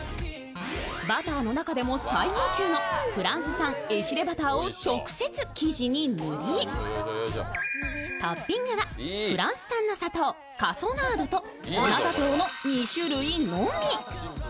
バターの中でも最上級のフランス産エシレバターを直接生地に塗りトッピングはフランス産の砂糖カソナードと粉砂糖２種類のみ。